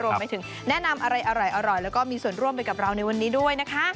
รวมไปถึงแนะนำอะไรอร่อยแล้วก็มีส่วนร่วมไปกับเราในวันนี้ด้วยนะคะ